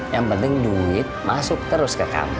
yang penting duit masuk terus ke kampus